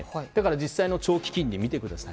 実際の長期金利を見てください。